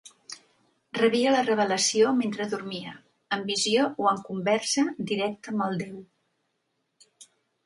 Rebia la revelació mentre dormia, en visió o en conversa directa amb el déu.